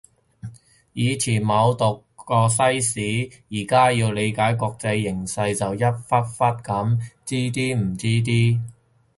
以前冇讀過西史，而家要理解國際局勢就一忽忽噉知啲唔知啲